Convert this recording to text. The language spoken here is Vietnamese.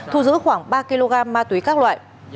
thu giữ khoảng ba kg ma túy các loại